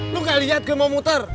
lu gak lihat gue mau muter